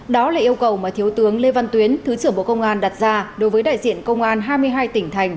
đó là yêu cầu mà thiếu tướng lê văn tuyến thứ trưởng bộ công an đặt ra đối với đại diện công an hai mươi hai tỉnh thành